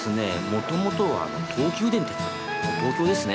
もともとは東急電鉄もう東京ですね。